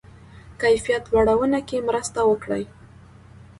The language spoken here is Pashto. کیفیت لوړونه کې مرسته وکړي.